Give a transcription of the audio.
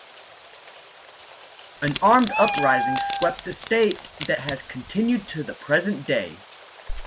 An armed uprising swept the state that has continued to the present-day.